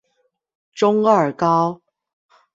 中二高